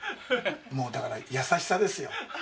もう、だから、優しさですよ。